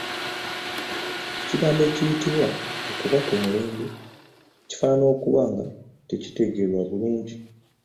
Ekigambo ekiyitibwa “okuba ku mulembe” kifaanana okuba nga tekitegeerwa bulungi!